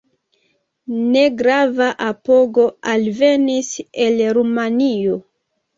Negrava apogo alvenis el Rumanio.